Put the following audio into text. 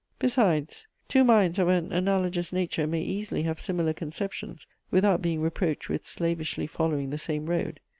Besides, two minds of an analogous nature may easily have similar conceptions without being reproached with slavishly following the same road.